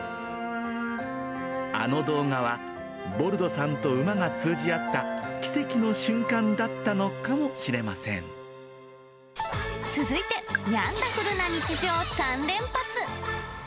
あの動画は、ボルドさんと馬が通じ合った、奇跡の瞬間だったのか続いて、ニャンダフルな日常３連発！